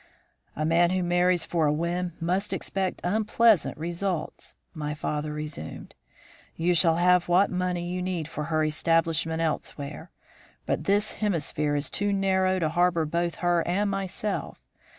"'A man who marries for a whim must expect unpleasant results,' my father resumed. 'You shall have what money you need for her establishment elsewhere; but this hemisphere is too narrow to harbour both her and myself.